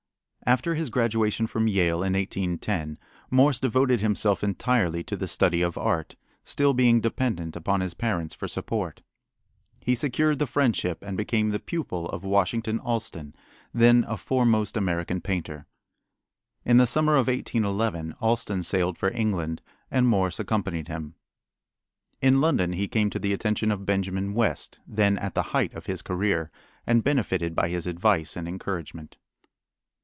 After his graduation from Yale in 1810, Morse devoted himself entirely to the study of art, still being dependent upon his parents for support. He secured the friendship and became the pupil of Washington Allston, then a foremost American painter. In the summer of 1811 Allston sailed for England, and Morse accompanied him. In London he came to the attention of Benjamin West, then at the height of his career, and benefited by his advice and encouragement.